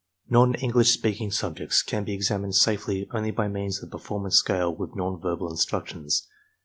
NonrEnglish speaking subjects can be examined safely only by means of the performance scale with non verbal instmctions.